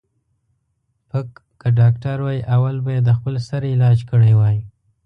ـ پک که ډاکتر وای اول به یې د خپل سر علاج کړی وای.